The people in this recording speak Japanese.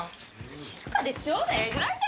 静かでちょうどええぐらいじゃ。